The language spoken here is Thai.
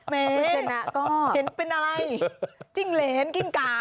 สักปีเป็นอะไรจิ้งเรนท์จิ้งก่า